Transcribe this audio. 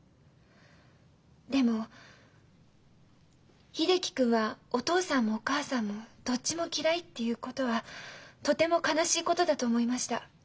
でも秀樹君はお父さんもお母さんもどっちも嫌いっていうことはとても悲しいことだと思いました。